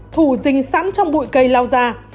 thủ dình sẵn trong bụi cây lao ra